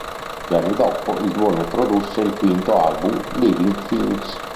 Due anni dopo il duo ne produsse il quinto album "Living Things".